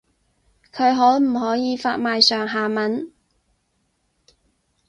佢可唔可以發埋上下文